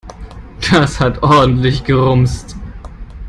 Das hat ordentlich gerumst.